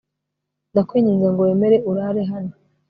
ndakwinginze ngo wemere urare hano